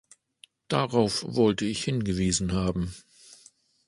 Darauf wollte ich hingewiesen haben.